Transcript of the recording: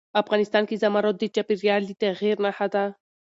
افغانستان کې زمرد د چاپېریال د تغیر نښه ده.